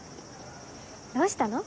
どうしたの？